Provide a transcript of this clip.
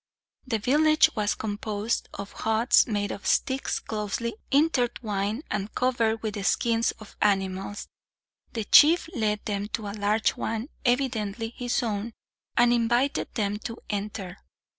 The village was composed of huts, made of sticks closely intertwined, and covered with the skins of animals. The chief led them to a large one, evidently his own, and invited them to enter.